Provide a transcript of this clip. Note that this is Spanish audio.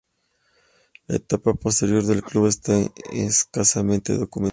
La etapa posterior del club está escasamente documentada.